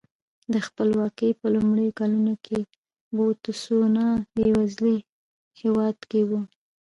د خپلواکۍ په لومړیو کلونو کې بوتسوانا بېوزلو هېوادونو کې و.